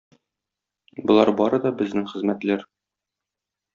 Болар бары да безнең хезмәтләр.